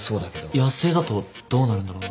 野生だとどうなるんだろうな。